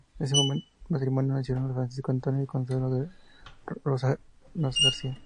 De este matrimonio nacieron Francisco, Antonio y Consuelo del Rosal García.